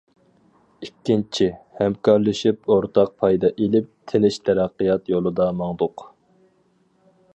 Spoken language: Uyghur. ئىككىنچى، ھەمكارلىشىپ ئورتاق پايدا ئېلىپ، تىنچ تەرەققىيات يولىدا ماڭدۇق.